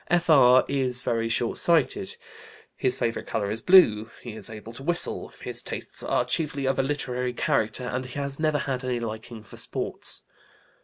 F.R. is very short sighted. His favorite color is blue. He is able to whistle. His tastes are chiefly of a literary character, and he has never had any liking for sports.